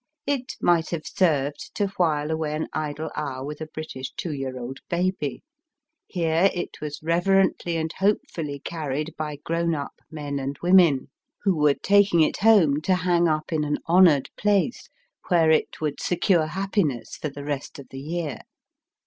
It might have served to while away an idle hour with a British two year old baby. Here it was reverently and hopefully carried by grown up men and women, who were taking it home to hang up in an honoured place where it would secure happiness for the rest of the year.